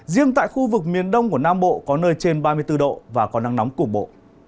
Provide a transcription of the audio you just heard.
riêng tại khu vực miền đông của nam bộ có nơi trên ba mươi bốn độ và có nắng nóng cục bộ